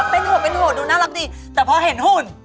เป็นหัวเป็นหัวดูน่ารักดีแต่พอเห็นหุ่น